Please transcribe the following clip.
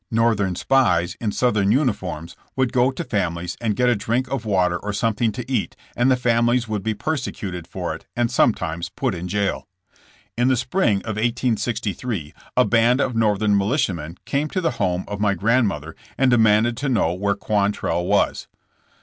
Northern spies in Southern uniforms would go to families and get a drink of water or something to eat, and the families would be persecuted for it and sometimes put in jail. In the spring of 1863 a band of Northern militiamen came to the home of my grandmother and demanded to know where Quantrell was.